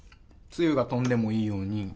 つゆが飛んでもいいように